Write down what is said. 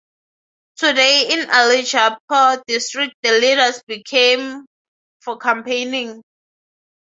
Today in Alirajpur district the leaders came for campaigning.